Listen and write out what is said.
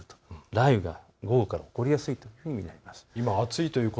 雷雨が午後から起こりやすいというふうに見てください。